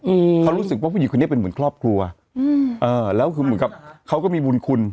อืมเขารู้สึกว่าผู้หญิงคนนี้เป็นเหมือนครอบครัวอืมเออแล้วคือเหมือนกับเขาก็มีบุญคุณ